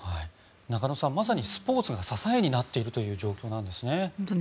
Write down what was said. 中野さん、まさにスポーツが支えになってるという状況なんですね。